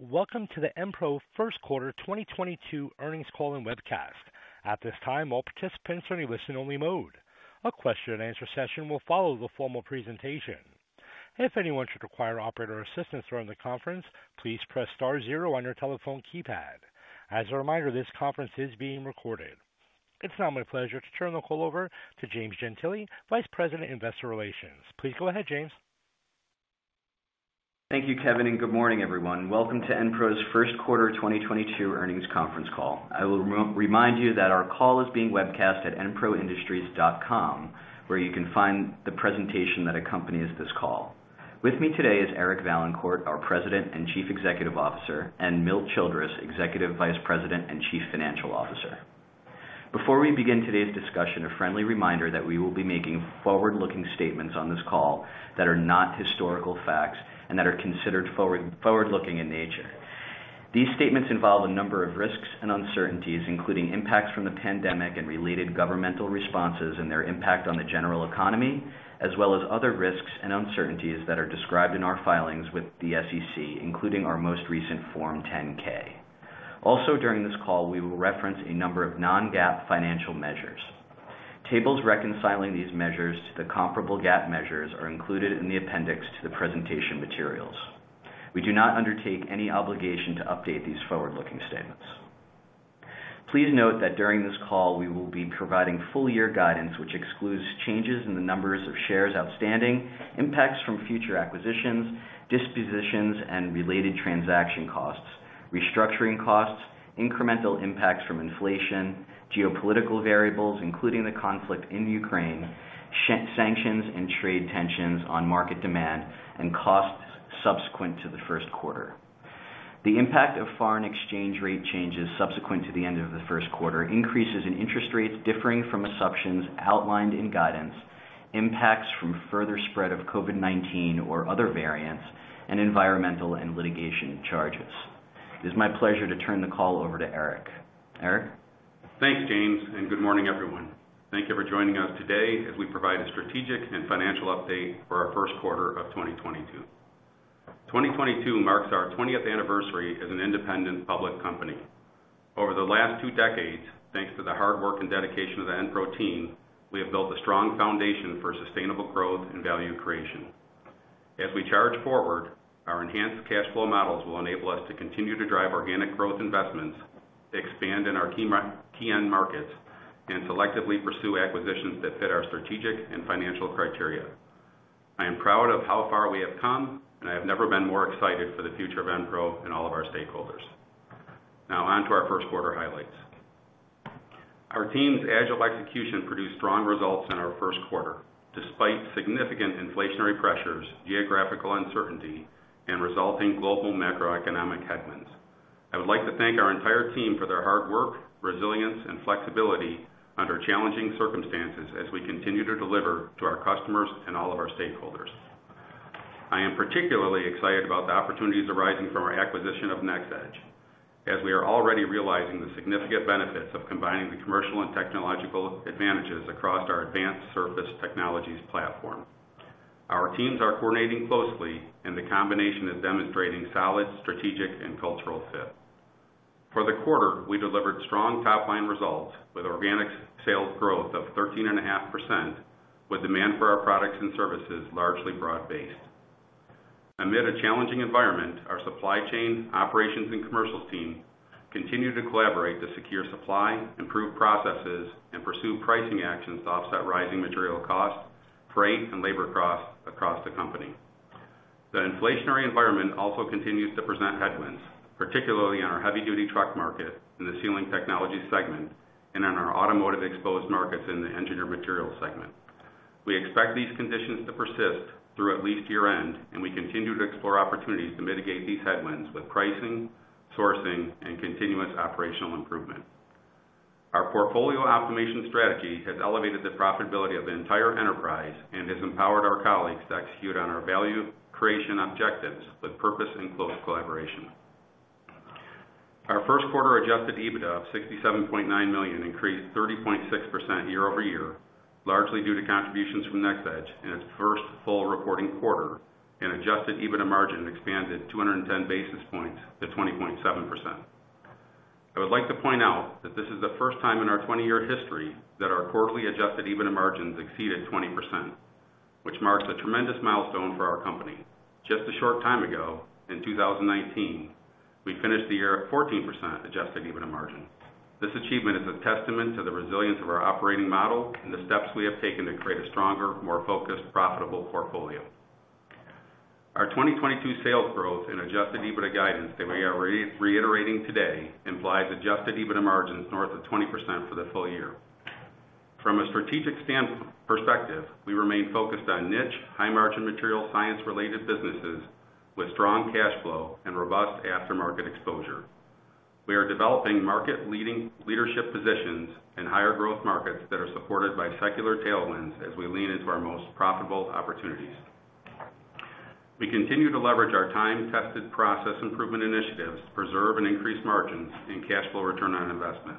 Welcome to the EnPro first quarter 2022 earnings call and webcast. At this time, all participants are in a listen-only mode. A question-and-answer session will follow the formal presentation. If anyone should require operator assistance during the conference, please press star zero on your telephone keypad. As a reminder, this conference is being recorded. It's now my pleasure to turn the call over to James Gentile, Vice President, Investor Relations. Please go ahead, James. Thank you, Kevin, and good morning, everyone. Welcome to EnPro's first quarter 2022 earnings conference call. I will remind you that our call is being webcast at enproindustries.com, where you can find the presentation that accompanies this call. With me today is Eric Vaillancourt, our President and Chief Executive Officer, and Milt Childress, Executive Vice President and Chief Financial Officer. Before we begin today's discussion, a friendly reminder that we will be making forward-looking statements on this call that are not historical facts and that are considered forward-looking in nature. These statements involve a number of risks and uncertainties, including impacts from the pandemic and related governmental responses and their impact on the general economy, as well as other risks and uncertainties that are described in our filings with the SEC, including our most recent Form 10-K. Also, during this call, we will reference a number of Non-GAAP financial measures. Tables reconciling these measures to the comparable GAAP measures are included in the appendix to the presentation materials. We do not undertake any obligation to update these forward-looking statements. Please note that during this call, we will be providing full year guidance, which excludes changes in the numbers of shares outstanding, impacts from future acquisitions, dispositions, and related transaction costs, restructuring costs, incremental impacts from inflation, geopolitical variables, including the conflict in Ukraine, Russian sanctions and trade tensions on market demand, and costs subsequent to the first quarter, the impact of foreign exchange rate changes subsequent to the end of the first quarter, increases in interest rates differing from assumptions outlined in guidance, impacts from further spread of COVID-19 or other variants, and environmental and litigation charges. It is my pleasure to turn the call over to Eric. Eric? Thanks, James, and good morning, everyone. Thank you for joining us today as we provide a strategic and financial update for our first quarter of 2022. 2022 marks our 20th anniversary as an independent public company. Over the last two decades, thanks to the hard work and dedication of the EnPro team, we have built a strong foundation for sustainable growth and value creation. As we charge forward, our enhanced cash flow models will enable us to continue to drive organic growth investments, expand in our key end markets, and selectively pursue acquisitions that fit our strategic and financial criteria. I am proud of how far we have come, and I have never been more excited for the future of EnPro and all of our stakeholders. Now on to our first quarter highlights. Our team's agile execution produced strong results in our first quarter, despite significant inflationary pressures, geographical uncertainty, and resulting global macroeconomic headwinds. I would like to thank our entire team for their hard work, resilience, and flexibility under challenging circumstances as we continue to deliver to our customers and all of our stakeholders. I am particularly excited about the opportunities arising from our acquisition of NxEdge, as we are already realizing the significant benefits of combining the commercial and technological advantages across our Advanced Surface Technologies platform. Our teams are coordinating closely, and the combination is demonstrating solid strategic and cultural fit. For the quarter, we delivered strong top line results with organic sales growth of 13.5%, with demand for our products and services largely broad-based. Amid a challenging environment, our supply chain, operations, and commercials team continue to collaborate to secure supply, improve processes, and pursue pricing actions to offset rising material costs, freight, and labor costs across the company. The inflationary environment also continues to present headwinds, particularly on our heavy-duty truck market in the Sealing Technologies segment and on our automotive exposed markets in the Engineered Materials segment. We expect these conditions to persist through at least year-end, and we continue to explore opportunities to mitigate these headwinds with pricing, sourcing, and continuous operational improvement. Our portfolio optimization strategy has elevated the profitability of the entire enterprise and has empowered our colleagues to execute on our value creation objectives with purpose and close collaboration. Our first quarter Adjusted EBITDA of $67.9 million increased 30.6% year-over-year, largely due to contributions from NxEdge in its first full reporting quarter, and Adjusted EBITDA margin expanded 210 basis points to 20.7%. I would like to point out that this is the first time in our 20-year history that our quarterly Adjusted EBITDA margins exceeded 20%, which marks a tremendous milestone for our company. Just a short time ago, in 2019, we finished the year at 14% Adjusted EBITDA margin. This achievement is a testament to the resilience of our operating model and the steps we have taken to create a stronger, more focused, profitable portfolio. Our 2022 sales growth and Adjusted EBITDA guidance that we are reiterating today implies Adjusted EBITDA margins north of 20% for the full year. From a strategic perspective, we remain focused on niche, high-margin material science-related businesses with strong cash flow and robust aftermarket exposure. We are developing market leadership positions in higher growth markets that are supported by secular tailwinds as we lean into our most profitable opportunities. We continue to leverage our time-tested process improvement initiatives to preserve and increase margins and cash flow return on investment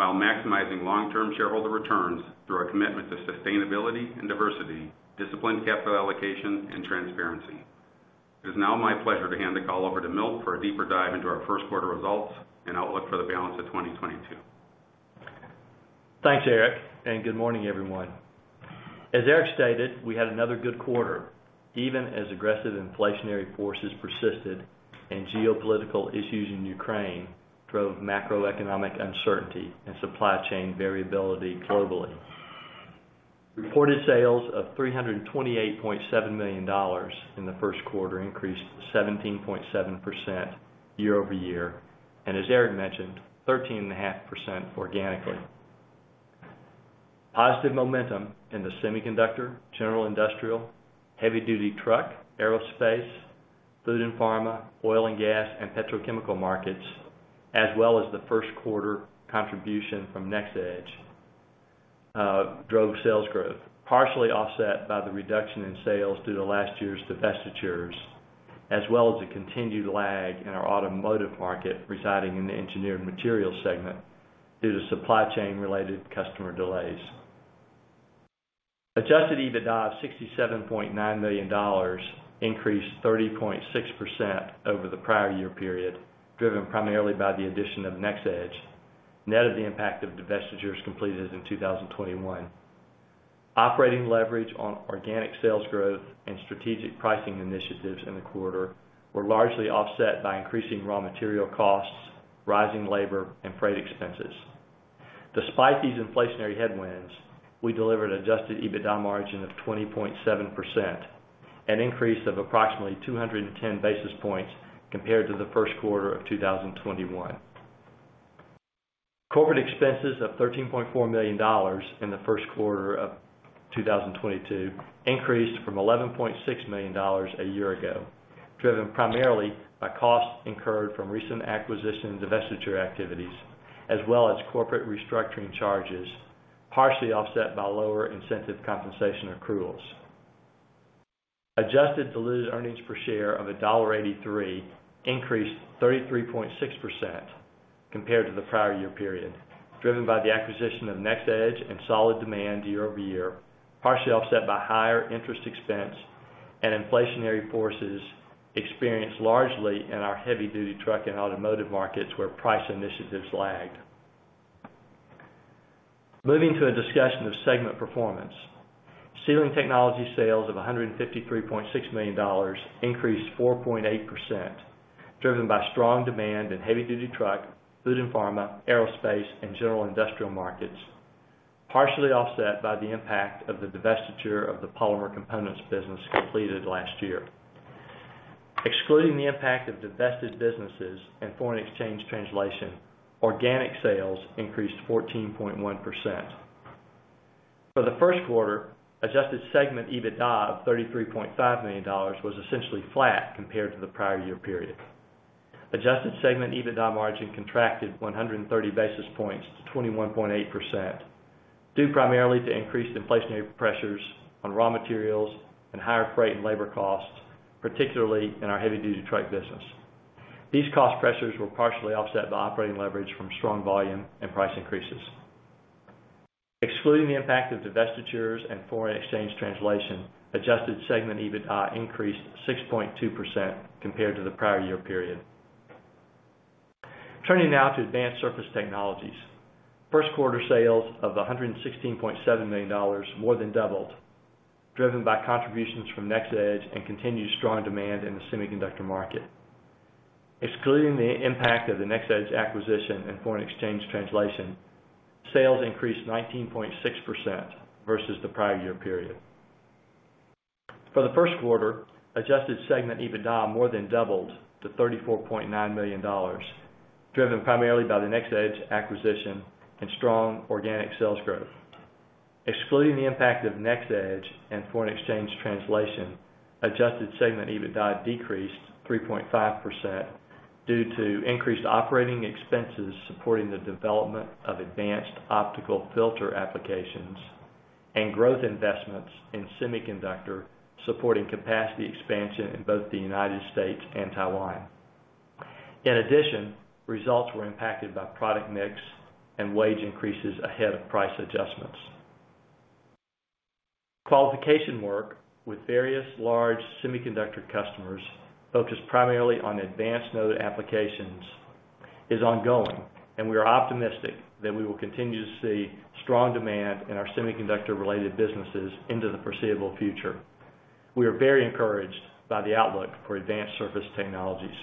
while maximizing long-term shareholder returns through our commitment to sustainability and diversity, disciplined capital allocation, and transparency. It is now my pleasure to hand the call over to Milt for a deeper dive into our first quarter results and outlook for the balance of 2022. Thanks, Eric, and good morning, everyone. As Eric stated, we had another good quarter, even as aggressive inflationary forces persisted and geopolitical issues in Ukraine drove macroeconomic uncertainty and supply chain variability globally. Reported sales of $328.7 million in the first quarter increased 17.7% year-over-year, and as Eric mentioned, 13.5% organically. Positive momentum in the semiconductor, general industrial, heavy-duty truck, aerospace, food and pharma, oil and gas, and petrochemical markets, as well as the first quarter contribution from NxEdge, drove sales growth, partially offset by the reduction in sales due to last year's divestitures, as well as the continued lag in our automotive market residing in the Engineered Materials segment due to supply chain-related customer delays. Adjusted EBITDA of $67.9 million increased 30.6% over the prior year period, driven primarily by the addition of NxEdge, net of the impact of divestitures completed in 2021. Operating leverage on organic sales growth and strategic pricing initiatives in the quarter were largely offset by increasing raw material costs, rising labor and freight expenses. Despite these inflationary headwinds, we delivered Adjusted EBITDA margin of 20.7%, an increase of approximately 210 basis points compared to the first quarter of 2021. Corporate expenses of $13.4 million in the first quarter of 2022 increased from $11.6 million a year ago, driven primarily by costs incurred from recent acquisition and divestiture activities as well as corporate restructuring charges, partially offset by lower incentive compensation accruals. Adjusted diluted earnings per share of $1.83 increased 33.6% compared to the prior year period, driven by the acquisition of NxEdge and solid demand year-over-year, partially offset by higher interest expense and inflationary forces experienced largely in our heavy-duty truck and automotive markets, where price initiatives lagged. Moving to a discussion of segment performance. Sealing Technologies sales of $153.6 million increased 4.8%, driven by strong demand in heavy-duty truck, food and pharma, aerospace, and general industrial markets, partially offset by the impact of the divestiture of the polymer components business completed last year. Excluding the impact of divested businesses and foreign exchange translation, organic sales increased 14.1%. For the first quarter, adjusted segment EBITDA of $33.5 million was essentially flat compared to the prior year period. Adjusted segment EBITDA margin contracted 130 basis points to 21.8% due primarily to increased inflationary pressures on raw materials and higher freight and labor costs, particularly in our heavy-duty truck business. These cost pressures were partially offset by operating leverage from strong volume and price increases. Excluding the impact of divestitures and foreign exchange translation, adjusted segment EBITDA increased 6.2% compared to the prior year period. Turning now to Advanced Surface Technologies. First quarter sales of $116.7 million more than doubled, driven by contributions from NxEdge and continued strong demand in the semiconductor market. Excluding the impact of the NxEdge acquisition and foreign exchange translation, sales increased 19.6% versus the prior year period. For the first quarter, adjusted segment EBITDA more than doubled to $34.9 million, driven primarily by the NxEdge acquisition and strong organic sales growth. Excluding the impact of NxEdge and foreign exchange translation, adjusted segment EBITDA decreased 3.5% due to increased operating expenses supporting the development of advanced optical filter applications and growth investments in semiconductor, supporting capacity expansion in both the United States and Taiwan. In addition, results were impacted by product mix and wage increases ahead of price adjustments. Qualification work with various large semiconductor customers focused primarily on advanced node applications is ongoing, and we are optimistic that we will continue to see strong demand in our semiconductor-related businesses into the foreseeable future. We are very encouraged by the outlook for Advanced Surface Technologies.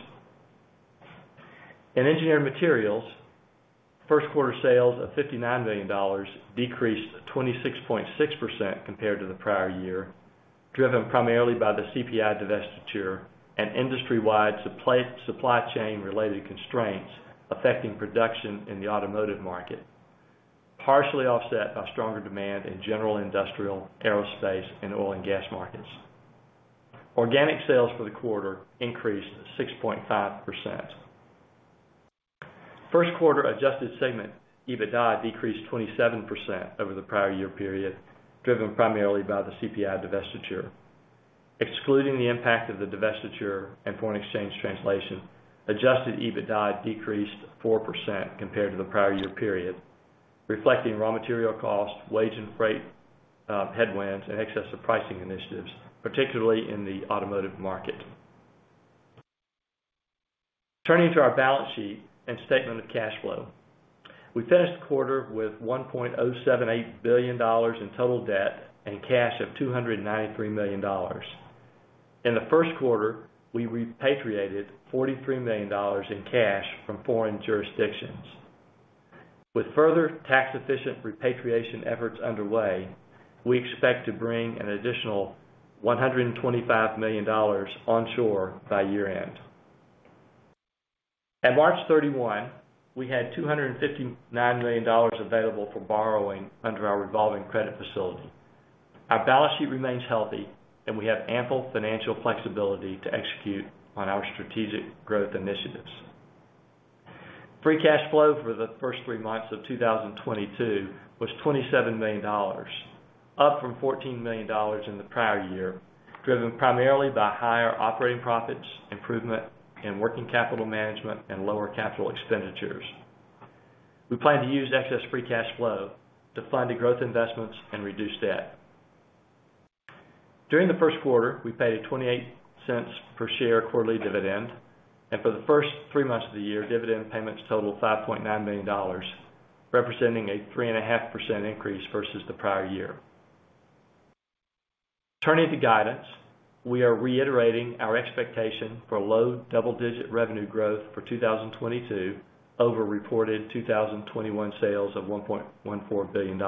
In Engineered Materials, first quarter sales of $59 million decreased 26.6% compared to the prior year, driven primarily by the CPI divestiture and industry-wide supply chain-related constraints affecting production in the automotive market, partially offset by stronger demand in general industrial, aerospace, and oil and gas markets. Organic sales for the quarter increased 6.5%. First quarter adjusted segment EBITDA decreased 27% over the prior year period, driven primarily by the CPI divestiture. Excluding the impact of the divestiture and foreign exchange translation, Adjusted EBITDA decreased 4% compared to the prior year period, reflecting raw material costs, wage and freight headwinds in excess of pricing initiatives, particularly in the automotive market. Turning to our balance sheet and statement of cash flow. We finished the quarter with $1.078 billion in total debt and cash of $293 million. In the first quarter, we repatriated $43 million in cash from foreign jurisdictions. With further tax efficient repatriation efforts underway, we expect to bring an additional $125 million on shore by year-end. At March 31, we had $259 million available for borrowing under our revolving credit facility. Our balance sheet remains healthy and we have ample financial flexibility to execute on our strategic growth initiatives. Free cash flow for the first three months of 2022 was $27 million, up from $14 million in the prior year, driven primarily by higher operating profits, improvement in working capital management and lower capital expenditures. We plan to use excess free cash flow to fund the growth investments and reduce debt. During the first quarter, we paid a $0.28 per share quarterly dividend, and for the first three months of the year, dividend payments totaled $5.9 million, representing a 3.5% increase versus the prior year. Turning to guidance, we are reiterating our expectation for low-double-digit revenue growth for 2022 over reported 2021 sales of $1.14 billion.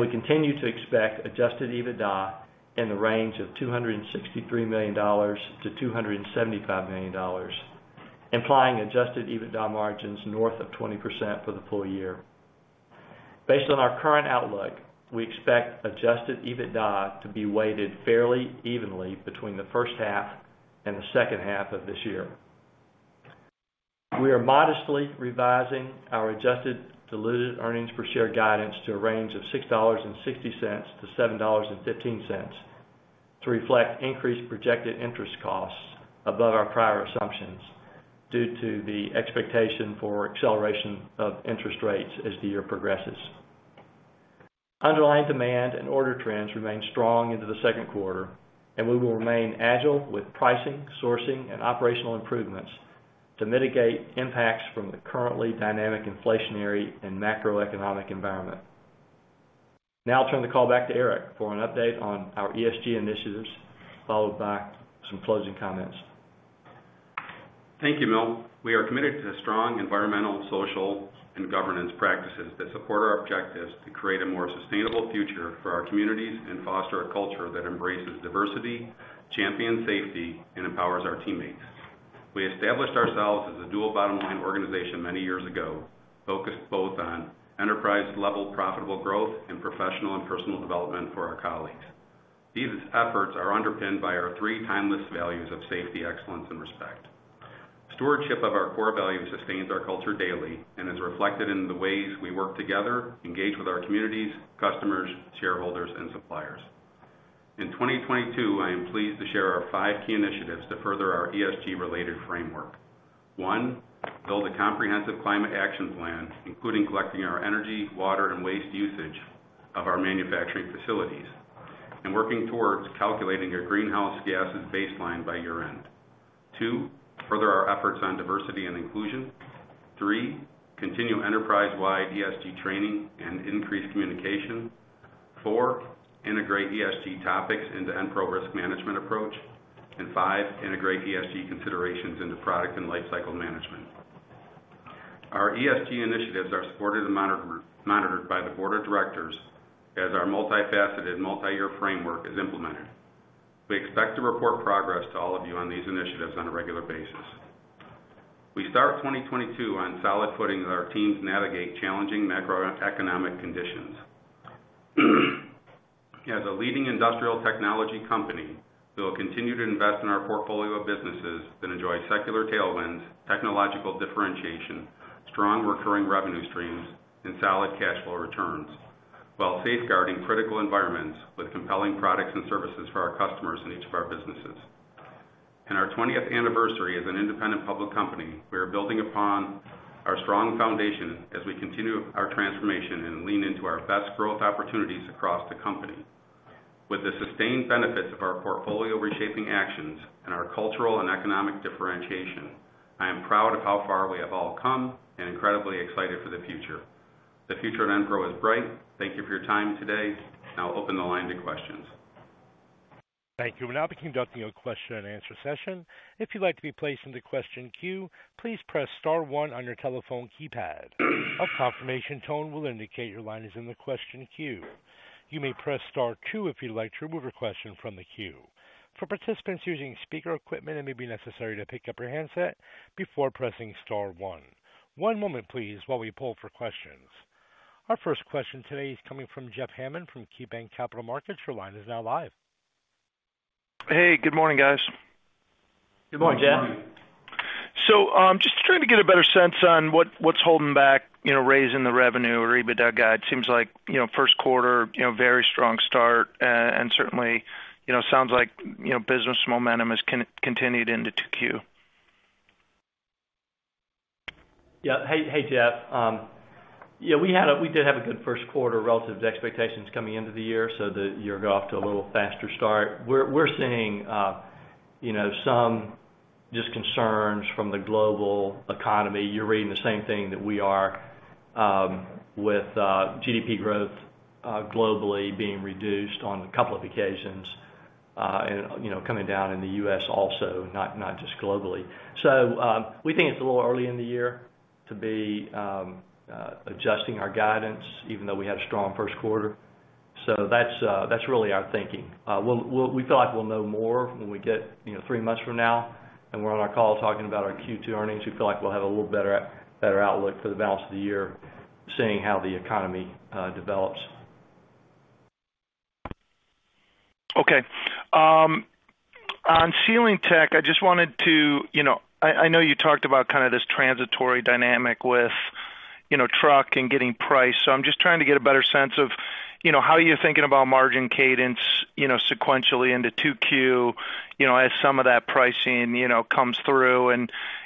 We continue to expect adjusted EBITDA in the range of $263 million-$275 million, implying adjusted EBITDA margins north of 20% for the full year. Based on our current outlook, we expect adjusted EBITDA to be weighted fairly evenly between the first half and the second half of this year. We are modestly revising our adjusted diluted earnings per share guidance to a range of $6.60-$7.15 to reflect increased projected interest costs above our prior assumptions due to the expectation for acceleration of interest rates as the year progresses. Underlying demand and order trends remain strong into the second quarter, and we will remain agile with pricing, sourcing, and operational improvements to mitigate impacts from the currently dynamic inflationary and macroeconomic environment. Now I'll turn the call back to Eric for an update on our ESG initiatives, followed by some closing comments. Thank you, Milt. We are committed to strong environmental, social, and governance practices that support our objectives to create a more sustainable future for our communities and foster a culture that embraces diversity, champions safety, and empowers our teammates. We established ourselves as a dual bottom line organization many years ago, focused both on enterprise level profitable growth and professional and personal development for our colleagues. These efforts are underpinned by our three timeless values of safety, excellence, and respect. Stewardship of our core values sustains our culture daily and is reflected in the ways we work together, engage with our communities, customers, shareholders, and suppliers. In 2022, I am pleased to share our five key initiatives to further our ESG-related framework. One, build a comprehensive climate action plan, including collecting our energy, water, and waste usage of our manufacturing facilities and working towards calculating a greenhouse gases baseline by year-end. Two, further our efforts on diversity and inclusion. Three, continue enterprise-wide ESG training and increase communication. Four, integrate ESG topics into EnPro risk management approach. Five, integrate ESG considerations into product and lifecycle management. Our ESG initiatives are supported and monitored by the board of directors as our multifaceted multi-year framework is implemented. We expect to report progress to all of you on these initiatives on a regular basis. We start 2022 on solid footing as our teams navigate challenging macroeconomic conditions. As a leading industrial technology company, we will continue to invest in our portfolio of businesses that enjoy secular tailwinds, technological differentiation, strong recurring revenue streams, and solid cash flow returns while safeguarding critical environments with compelling products and services for our customers in each of our businesses. In our twentieth anniversary as an independent public company, we are building upon our strong foundation as we continue our transformation and lean into our best growth opportunities across the company. With the sustained benefits of our portfolio reshaping actions and our cultural and economic differentiation, I am proud of how far we have all come and incredibly excited for the future. The future at EnPro is bright. Thank you for your time today. Now open the line to questions. Thank you. We'll now be conducting a question and answer session. If you'd like to be placed in the question queue, please press star one on your telephone keypad. A confirmation tone will indicate your line is in the question queue. You may press star two if you'd like to remove your question from the queue. For participants using speaker equipment, it may be necessary to pick up your handset before pressing star one. One moment please, while we poll for questions. Our first question today is coming from Jeff Hammond from KeyBanc Capital Markets. Your line is now live. Hey, good morning, guys. Good morning, Jeff. Just trying to get a better sense on what's holding back, you know, raising the revenue or EBITDA guide. Seems like, you know, first quarter, you know, very strong start, and certainly, you know, sounds like, you know, business momentum has continued into 2Q. Yeah. Hey, Jeff. Yeah, we did have a good first quarter relative to expectations coming into the year, so the year got off to a little faster start. We're seeing, you know, some just concerns from the global economy. You're reading the same thing that we are, with GDP growth globally being reduced on a couple of occasions, and, you know, coming down in the U.S. also, not just globally. We think it's a little early in the year to be adjusting our guidance even though we had a strong first quarter. That's really our thinking. We feel like we'll know more when we get, you know, three months from now and we're on our call talking about our Q2 earnings. We feel like we'll have a little better outlook for the balance of the year, seeing how the economy develops. Okay. On Sealing Tech, you know, I know you talked about kind of this transitory dynamic with, you know, trucks and getting pricing. I'm just trying to get a better sense of, you know, how you're thinking about margin cadence, you know, sequentially into 2Q, you know, as some of that pricing, you know, comes through.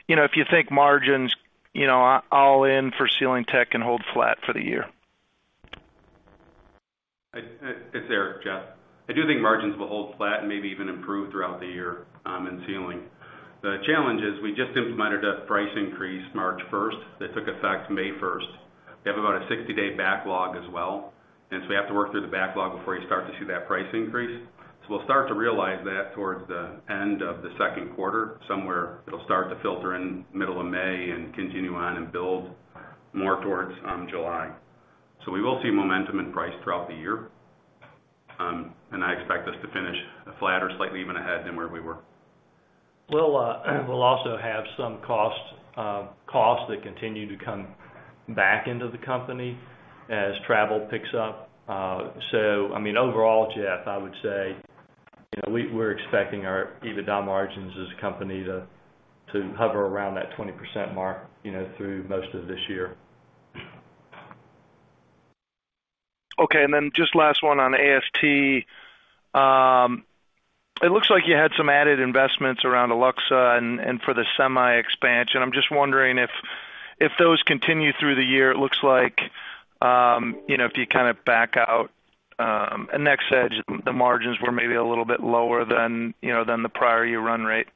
You know, if you think margins, you know, all in for Sealing Tech can hold flat for the year. It's Eric, Jeff. I do think margins will hold flat and maybe even improve throughout the year in Sealing. The challenge is we just implemented a price increase March first that took effect May first. We have about a 60-day backlog as well, and so we have to work through the backlog before you start to see that price increase. We'll start to realize that towards the end of the second quarter, somewhere it'll start to filter in middle of May and continue on and build more towards July. We will see momentum in price throughout the year, and I expect us to finish flatter, slightly even ahead than where we were. We'll also have some costs that continue to come back into the company as travel picks up. I mean, overall, Jeff, I would say, you know, we're expecting our EBITDA margins as a company to hover around that 20% mark, you know, through most of this year. Okay. Just last one on AST. It looks like you had some added investments around Alluxa and for the semi expansion. I'm just wondering if those continue through the year. It looks like, you know, if you kind of back out NxEdge, the margins were maybe a little bit lower than, you know, than the prior year run rate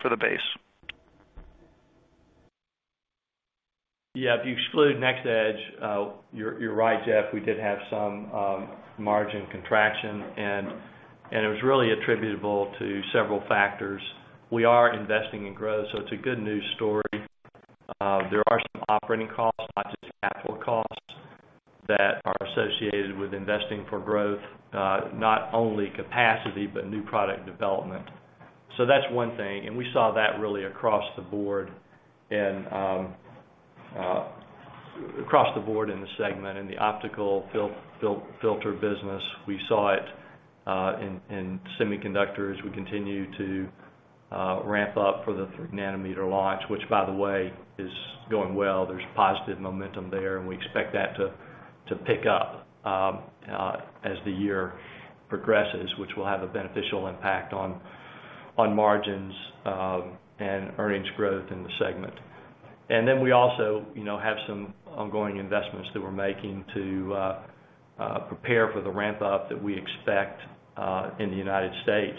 for the base. Yeah. If you exclude NxEdge, you're right, Jeff, we did have some margin contraction, and it was really attributable to several factors. We are investing in growth, so it's a good news story. There are some operating costs, not just capital costs, that are associated with investing for growth, not only capacity, but new product development. That's one thing, and we saw that really across the board in the segment. In the optical filter business, we saw it in semiconductors. We continue to ramp up for the 3 nm launch, which by the way, is going well. There's positive momentum there, and we expect that to pick up as the year progresses, which will have a beneficial impact on margins and earnings growth in the segment. We also, you know, have some ongoing investments that we're making to prepare for the ramp up that we expect in the United States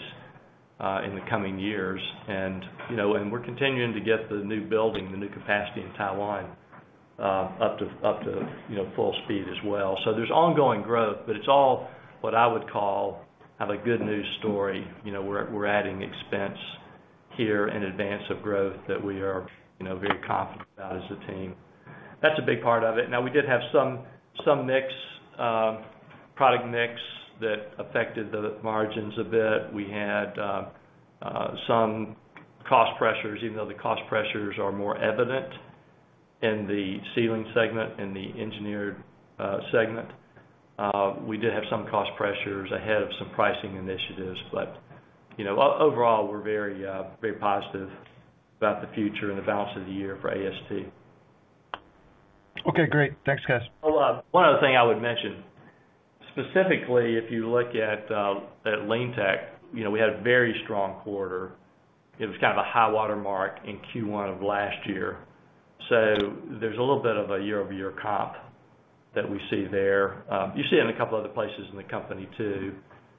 in the coming years. You know, and we're continuing to get the new building, the new capacity in Taiwan up to full speed as well. There's ongoing growth, but it's all what I would call a good news story. You know, we're adding expense here in advance of growth that we are, you know, very confident about as a team. That's a big part of it. Now, we did have some product mix that affected the margins a bit. We had some cost pressures, even though the cost pressures are more evident in the Sealing Technologies, in the Engineered segment. We did have some cost pressures ahead of some pricing initiatives. You know, overall, we're very positive about the future and the balance of the year for AST. Okay, great. Thanks, guys. Hold on. One other thing I would mention, specifically, if you look at LeanTeq, you know, we had a very strong quarter. It was kind of a high water mark in Q1 of last year. There's a little bit of a year-over-year comp that we see there. You see it in a couple other places in the company too.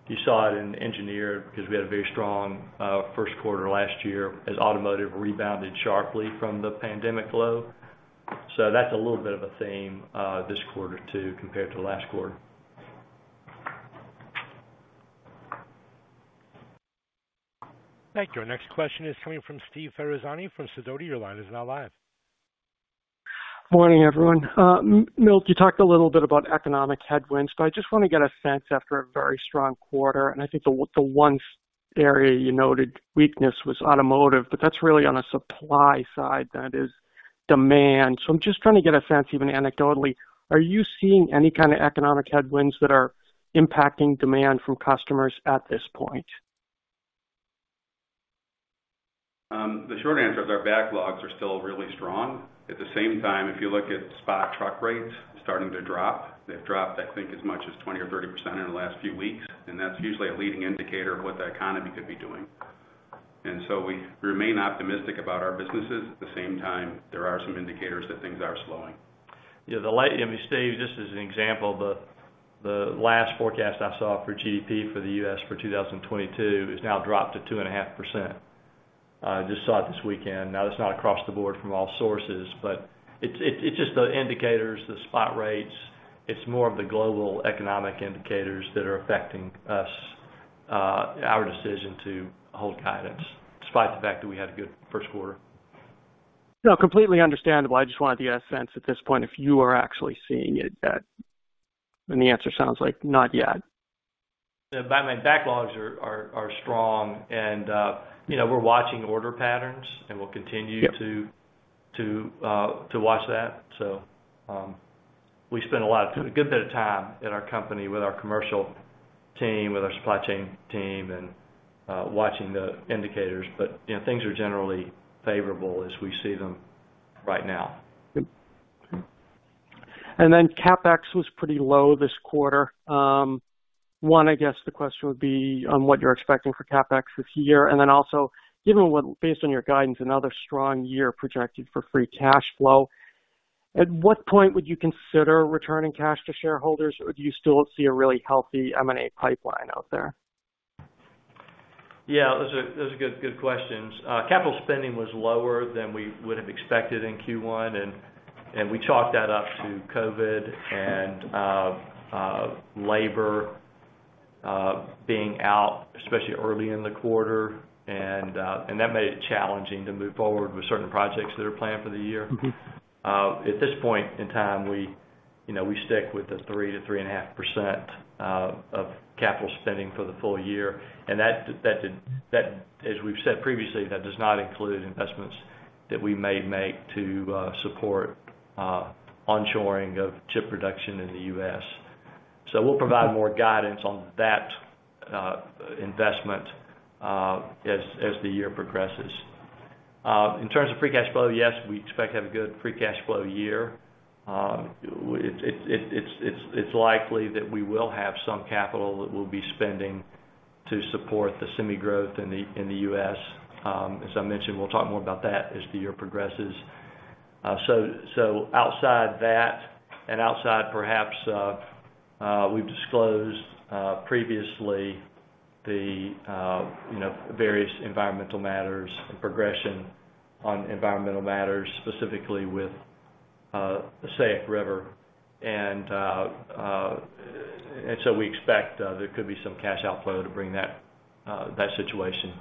You saw it in Engineered because we had a very strong first quarter last year as Automotive rebounded sharply from the pandemic low. That's a little bit of a theme this quarter too, compared to last quarter. Thank you. Our next question is coming from Steve Ferazani from Sidoti. Your line is now live. Morning, everyone. Milt, you talked a little bit about economic headwinds, but I just wanna get a sense after a very strong quarter, and I think the one area you noted weakness was Automotive, but that's really on a supply side that is. Demand. I'm just trying to get a sense, even anecdotally, are you seeing any kind of economic headwinds that are impacting demand from customers at this point? The short answer is our backlogs are still really strong. At the same time, if you look at spot truck rates starting to drop, they've dropped, I think, as much as 20 or 30% in the last few weeks, and that's usually a leading indicator of what the economy could be doing. We remain optimistic about our businesses. At the same time, there are some indicators that things are slowing. Yeah, I mean, Steve, just as an example, the last forecast I saw for GDP for the U.S. for 2022 has now dropped to 2.5%. Just saw it this weekend. Now, that's not across the board from all sources, but it's just the indicators, the spot rates. It's more of the global economic indicators that are affecting us, our decision to hold guidance despite the fact that we had a good first quarter. No, completely understandable. I just wanted to get a sense at this point if you are actually seeing it yet, and the answer sounds like not yet. My backlogs are strong, and you know, we're watching order patterns, and we'll continue. Yep to watch that. We spend a good bit of time in our company with our commercial team, with our supply chain team and watching the indicators. You know, things are generally favorable as we see them right now. Yep. CapEx was pretty low this quarter. I guess the question would be on what you're expecting for CapEx this year, and then also based on your guidance, another strong year projected for free cash flow, at what point would you consider returning cash to shareholders, or do you still see a really healthy M&A pipeline out there? Yeah, those are good questions. Capital spending was lower than we would have expected in Q1, and we chalked that up to COVID and labor being out, especially early in the quarter. That made it challenging to move forward with certain projects that are planned for the year. At this point in time, we, you know, we stick with the 3%-3.5% of capital spending for the full year. That, as we've said previously, does not include investments that we may make to support onshoring of chip production in the U.S. We'll provide more guidance on that investment as the year progresses. In terms of free cash flow, yes, we expect to have a good free cash flow year. It's likely that we will have some capital that we'll be spending to support the semi growth in the U.S. As I mentioned, we'll talk more about that as the year progresses. Outside that and outside perhaps, we've disclosed previously, you know, the various environmental matters and progression on environmental matters, specifically with the Sykes Creek. We expect there could be some cash outflow to bring that situation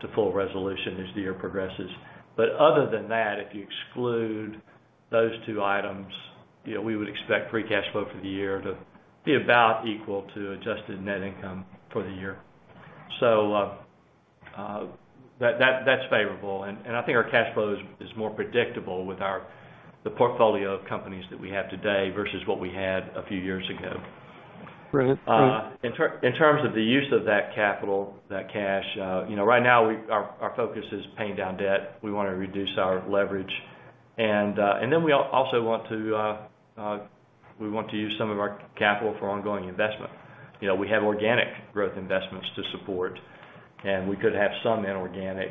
to full resolution as the year progresses. Other than that, if you exclude those two items, you know, we would expect free cash flow for the year to be about equal to adjusted net income for the year. That's favorable, and I think our cash flow is more predictable with the portfolio of companies that we have today versus what we had a few years ago. Brilliant. Great. In terms of the use of that capital, that cash, you know, right now our focus is paying down debt. We wanna reduce our leverage. Then we also want to use some of our capital for ongoing investment. You know, we have organic growth investments to support, and we could have some inorganic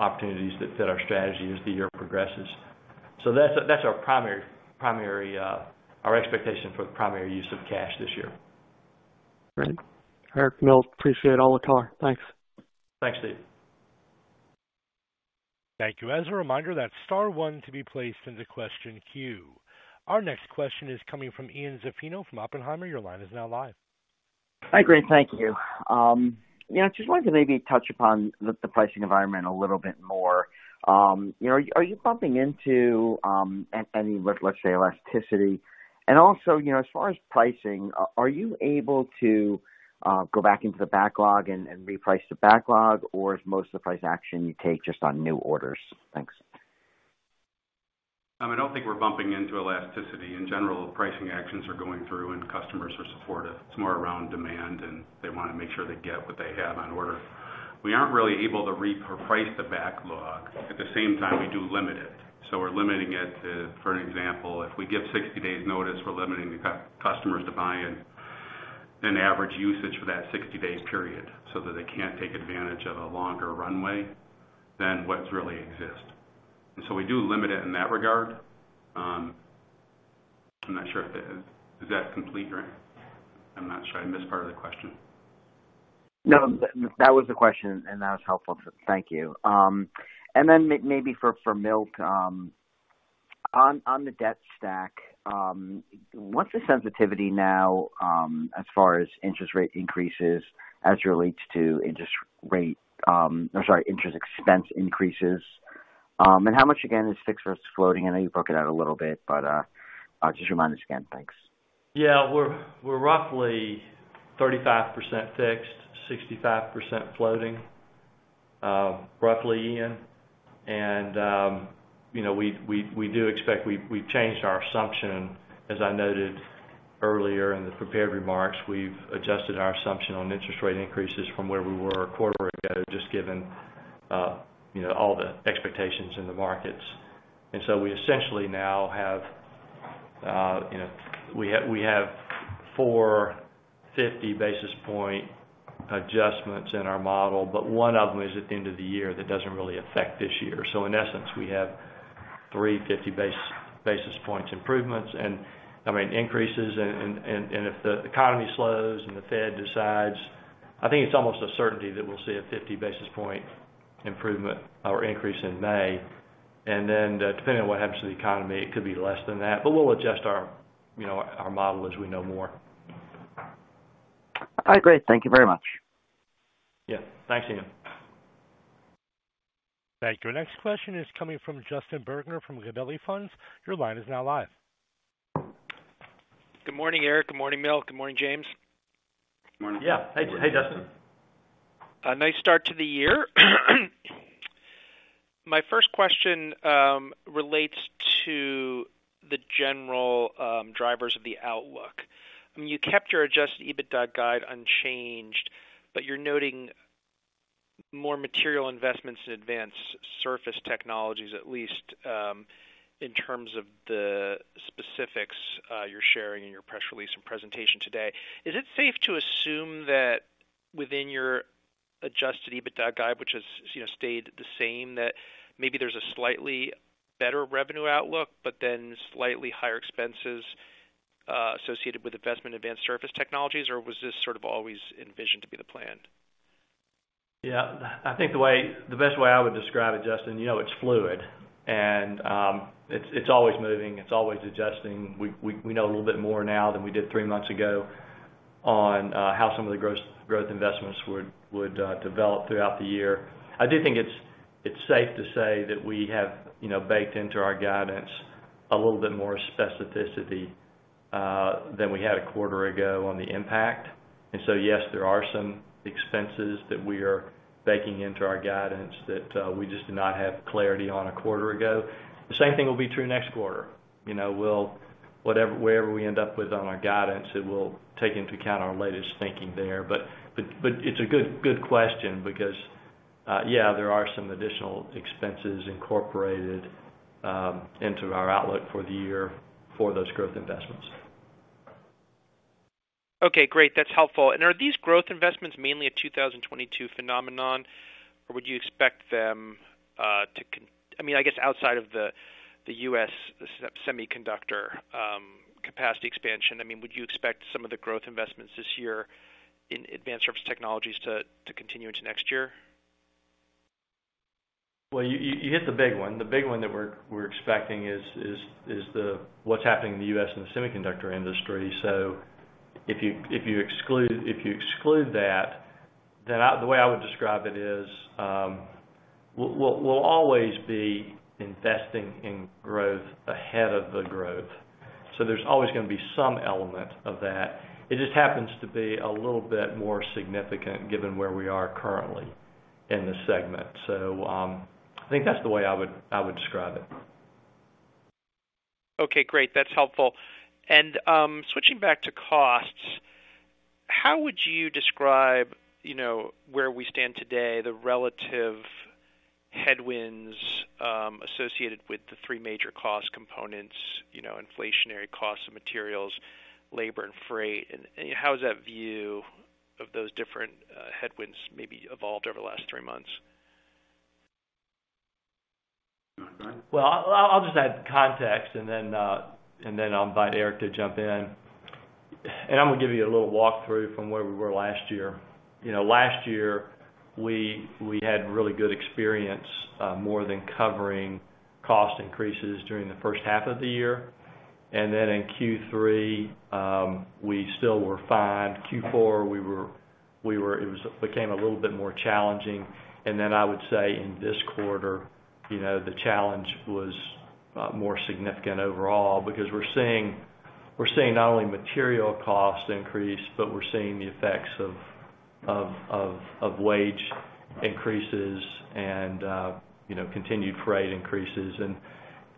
opportunities that fit our strategy as the year progresses. That's our primary expectation for the primary use of cash this year. Great. Eric, Milt, appreciate all the color. Thanks. Thanks, Steve. Thank you. As a reminder, that's star one to be placed into question queue. Our next question is coming from Ian Zaffino from Oppenheimer. Your line is now live. Hi, Grant. Thank you. Yeah, just wanted to maybe touch upon the pricing environment a little bit more. You know, are you bumping into any, let's say, elasticity? And also, you know, as far as pricing, are you able to go back into the backlog and reprice the backlog, or is most of the price action you take just on new orders? Thanks. I don't think we're bumping into elasticity. In general, pricing actions are going through and customers are supportive. It's more around demand, and they wanna make sure they get what they have on order. We aren't really able to reprice the backlog. At the same time, we do limit it. We're limiting it to, for example, if we give 60 days notice, we're limiting the customers to buying an average usage for that 60-day period so that they can't take advantage of a longer runway than what's really exist. We do limit it in that regard. I'm not sure if that is complete, or I'm not sure. I missed part of the question. No, that was the question, and that was helpful. Thank you. Maybe for Milt, on the debt stack, what's the sensitivity now, as far as interest rate increases as it relates to interest rate, or sorry, interest expense increases? How much again is fixed versus floating? I know you broke it out a little bit, but just remind us again. Thanks. Yeah. We're roughly 35% fixed, 65% floating. Roughly, Ian. We changed our assumption, as I noted earlier in the prepared remarks. We've adjusted our assumption on interest rate increases from where we were a quarter ago, just given, you know, all the expectations in the markets. We essentially now have, you know, 450 basis point adjustments in our model, but one of them is at the end of the year, that doesn't really affect this year. In essence, we have 350 basis points improvements and, I mean, increases. If the economy slows and the Fed decides, I think it's almost a certainty that we'll see a 50 basis point improvement or increase in May. depending on what happens to the economy, it could be less than that. We'll adjust our, you know, our model as we know more. All right, great. Thank you very much. Yeah. Thanks, Ian. Thank you. Our next question is coming from Justin Bergner from Gabelli Funds. Your line is now live. Good morning, Eric. Good morning, Milt. Good morning, James. Morning. Yeah. Hey, Justin. A nice start to the year. My first question relates to the general drivers of the outlook. I mean, you kept your adjusted EBITDA guide unchanged, but you're noting more material investments in Advanced Surface Technologies, at least in terms of the specifics you're sharing in your press release and presentation today. Is it safe to assume that within your adjusted EBITDA guide, which has, you know, stayed the same, that maybe there's a slightly better revenue outlook, but then slightly higher expenses associated with investments in Advanced Surface Technologies? Or was this sort of always envisioned to be the plan? Yeah. I think the best way I would describe it, Justin, you know, it's fluid and, it's always moving, it's always adjusting. We know a little bit more now than we did three months ago on how some of the growth investments would develop throughout the year. I do think it's safe to say that we have, you know, baked into our guidance a little bit more specificity than we had a quarter ago on the impact. Yes, there are some expenses that we are baking into our guidance that we just did not have clarity on a quarter ago. The same thing will be true next quarter. You know, whatever, wherever we end up with on our guidance, it will take into account our latest thinking there. It's a good question because, yeah, there are some additional expenses incorporated into our outlook for the year for those growth investments. Okay, great. That's helpful. Are these growth investments mainly a 2022 phenomenon, or would you expect them to continue, I mean, I guess outside of the U.S. semiconductor capacity expansion, I mean, would you expect some of the growth investments this year in Advanced Surface Technologies to continue into next year? Well, you hit the big one. The big one that we're expecting is the what's happening in the U.S. in the semiconductor industry. If you exclude that, then the way I would describe it is, we'll always be investing in growth ahead of the growth. There's always gonna be some element of that. It just happens to be a little bit more significant given where we are currently in the segment. I think that's the way I would describe it. Okay, great. That's helpful. Switching back to costs, how would you describe, you know, where we stand today, the relative headwinds associated with the three major cost components, you know, inflationary costs of materials, labor, and freight? How has that view of those different headwinds maybe evolved over the last three months? You wanna go? Well, I'll just add context and then I'll invite Eric to jump in. I'm gonna give you a little walkthrough from where we were last year. Last year, we had really good experience more than covering cost increases during the first half of the year. In Q3, we still were fine. Q4, it became a little bit more challenging. I would say in this quarter, the challenge was more significant overall because we're seeing not only material costs increase, but we're seeing the effects of wage increases and continued freight increases. You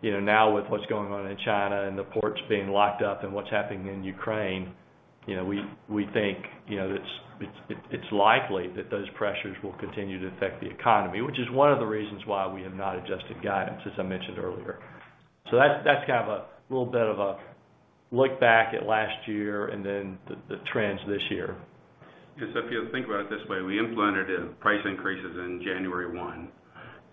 know, now with what's going on in China and the ports being locked up and what's happening in Ukraine, you know, we think, you know, it's likely that those pressures will continue to affect the economy, which is one of the reasons why we have not adjusted guidance, as I mentioned earlier. That's kind of a little bit of a look back at last year and then the trends this year. Yes. If you think about it this way, we implemented price increases in January 1,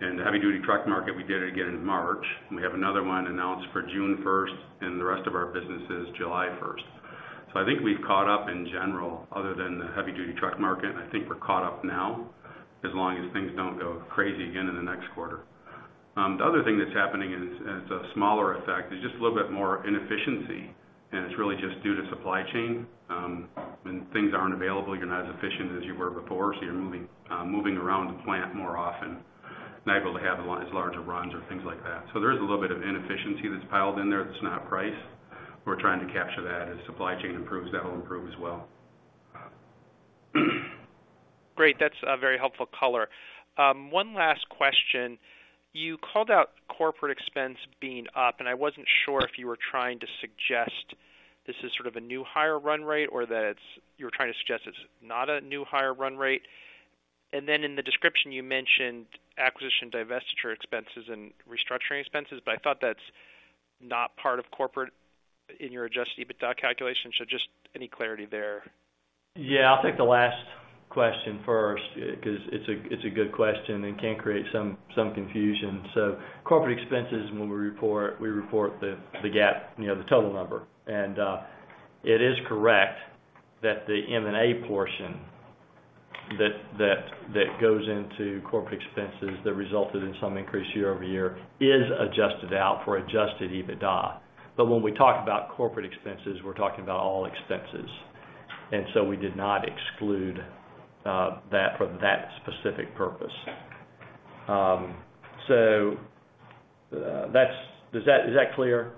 and the heavy-duty truck market, we did it again in March, and we have another one announced for June 1 and the rest of our businesses July 1. I think we've caught up in general, other than the heavy-duty truck market. I think we're caught up now as long as things don't go crazy again in the next quarter. The other thing that's happening is, and it's a smaller effect, there's just a little bit more inefficiency, and it's really just due to supply chain. When things aren't available, you're not as efficient as you were before, so you're moving around the plant more often. Not able to have the line as large a runs or things like that. There is a little bit of inefficiency that's piled in there that's not price. We're trying to capture that. As supply chain improves, that will improve as well. Great. That's a very helpful color. One last question. You called out corporate expense being up, and I wasn't sure if you were trying to suggest this is sort of a new higher run rate or that you were trying to suggest it's not a new higher run rate. Then in the description, you mentioned acquisition divestiture expenses and restructuring expenses, but I thought that's not part of corporate in your adjusted EBITDA calculation. Just any clarity there? Yeah. I'll take the last question first because it's a good question and can create some confusion. Corporate expenses when we report, we report the GAAP, you know, the total number. It is correct that the M&A portion that goes into corporate expenses that resulted in some increase year-over-year is adjusted out for adjusted EBITDA. When we talk about corporate expenses, we're talking about all expenses. We did not exclude that for that specific purpose. That's. Is that clear,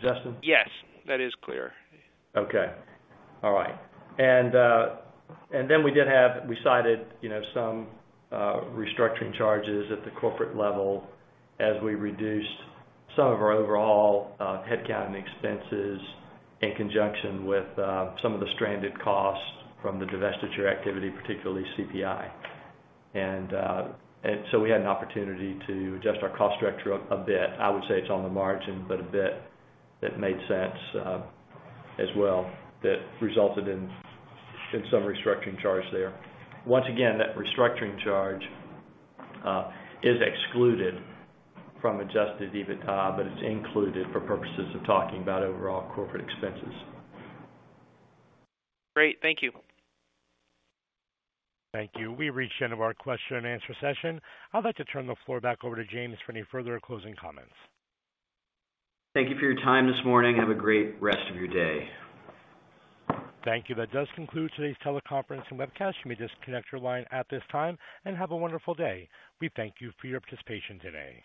Justin? Yes, that is clear. Okay. All right. We cited, you know, some restructuring charges at the corporate level as we reduced some of our overall headcount and expenses in conjunction with some of the stranded costs from the divestiture activity, particularly CPI. We had an opportunity to adjust our cost structure a bit. I would say it's on the margin, but a bit that made sense as well, that resulted in some restructuring charge there. Once again, that restructuring charge is excluded from adjusted EBITDA, but it's included for purposes of talking about overall corporate expenses. Great. Thank you. Thank you. We reached the end of our question-and-answer session. I'd like to turn the floor back over to James for any further closing comments. Thank you for your time this morning. Have a great rest of your day. Thank you. That does conclude today's teleconference and webcast. You may disconnect your line at this time, and have a wonderful day. We thank you for your participation today.